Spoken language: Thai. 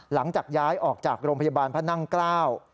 หลังจากย้ายออกจากโรงพยาบาลพระนั่งเกล้า